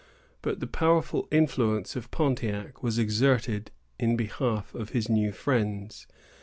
But the powerful influence of Pontiac was exerted in behalf of his new friends.